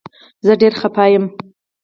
زه ډير خفه يم